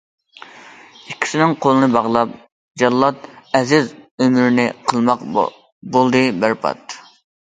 ئىككىسىنىڭ قولىنى باغلاپ جاللات، ئەزىز ئۆمرىنى قىلماق بولدى بەربات.